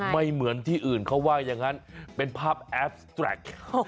ไม่เหมือนที่อื่นเขาว่าอย่างนั้นเป็นภาพแอฟสแตรก